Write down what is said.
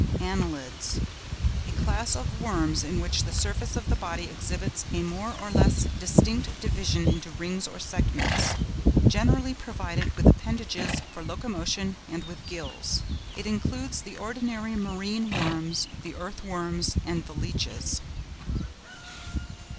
ANNELIDS.—A class of worms in which the surface of the body exhibits a more or less distinct division into rings or segments, generally provided with appendages for locomotion and with gills. It includes the ordinary marine worms, the earth worms, and the leeches.